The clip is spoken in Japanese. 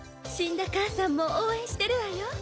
死んだ母さんも応援してるわよ